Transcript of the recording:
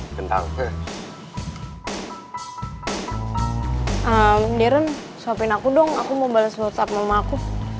mbak mbak aku mau bales laptop mama aku